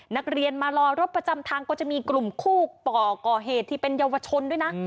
นักเรียนมารอรถประจำทางก็จะมีกลุ่มคู่ก่อเหตุที่เป็นเยาวชนด้วยนะ